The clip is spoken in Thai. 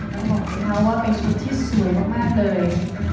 ผมบอกพี่เขาว่าเป็นชุดที่สวยมากเลย